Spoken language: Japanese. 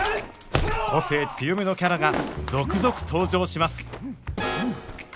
個性強めのキャラが続々登場します